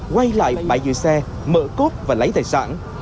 quay lại bãi dự xe mở cốt và lấy tài sản